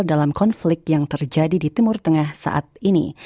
dalam konflik yang terjadi di timur tengah saat ini